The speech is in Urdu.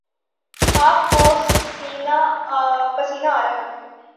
آپ کو پسینہ آرہا ہے